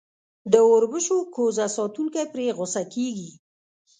د اوربشو کوزه ساتونکی پرې غصه کېږي.